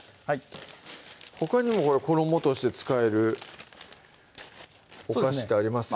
ほかにも衣として使えるお菓子ってあります？